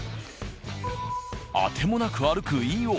当てもなく歩く飯尾。